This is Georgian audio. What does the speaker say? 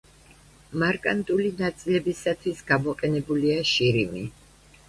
მარკანტული ნაწილებისათვის გამოყენებულია შირიმი.